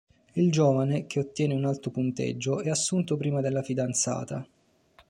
Il giovane, che ottiene un alto punteggio, è assunto prima della fidanzata.